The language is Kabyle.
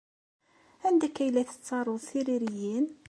Anda akka ay la tettaruḍ tiririyin?